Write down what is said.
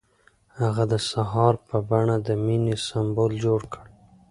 هغه د سهار په بڼه د مینې سمبول جوړ کړ.